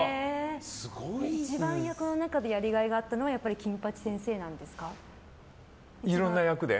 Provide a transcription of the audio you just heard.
一番、役の中でやりがいがあったのはいろんな役で？